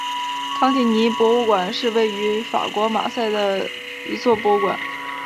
康提尼博物馆是位于法国马赛的一座博物馆。